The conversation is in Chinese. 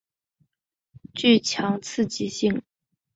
具强刺激性。